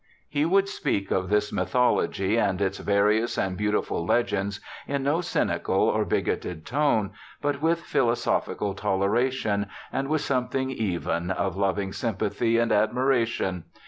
He would speak of this mythology, and its various and beautiful legends, in no cynical or bigoted tone, but with philosophical toleration, and with something even of loving sympathy and admiration.